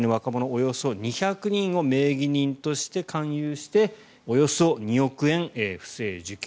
およそ２００人を名義人として勧誘しておよそ２億円、不正受給。